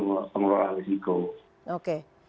oke tadi pak abdul sebetulnya